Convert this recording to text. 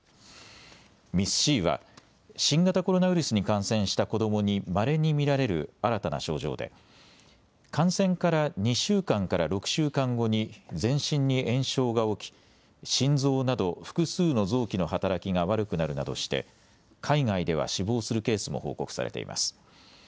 ＭＩＳ−Ｃは新型コロナウイルスに感染した子どもにまれに見られる新たな症状で感染から２週間から６週間後に全身に炎症が起き心臓など複数の臓器の働きが悪くなるなどして海外では死亡するケースも報告されています。